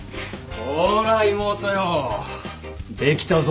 ほら妹よできたぞ。